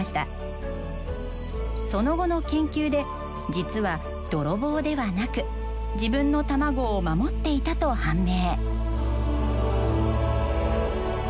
その後の研究で実は泥棒ではなく自分の卵を守っていたと判明。